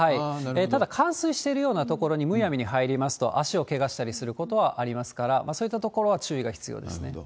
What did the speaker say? ただ、冠水しているような所にむやみに入りますと、足をけがしたりすることはありますから、そういった所は注意が必なるほど。